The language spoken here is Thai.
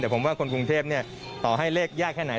แต่ผมว่าคนกรุงเทพต่อให้เลขยากแค่ไหน